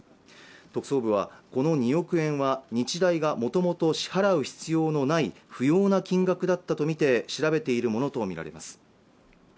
特捜部はこの２億円は日大が元々支払う必要のない不要な金額だったとみて調べているものと見られます